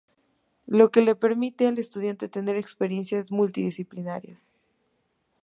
Lo que le permite al estudiante tener experiencias multidisciplinarias.